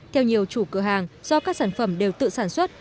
theo nhiều chủ cửa hàng do các sản phẩm đều tự sản xuất